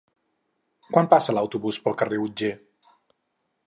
Quan passa l'autobús pel carrer Otger?